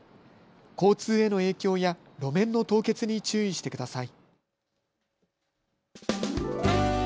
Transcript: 交通への影響や路面の凍結に注意してください。